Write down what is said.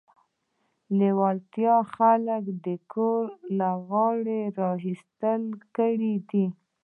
لېوالتیا خلک د ګور له غاړې راستانه کړي دي.